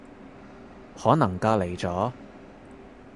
可能隔離咗